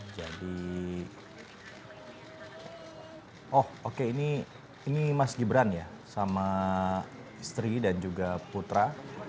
jadi oh oke ini mas gibran ya sama istri dan juga putra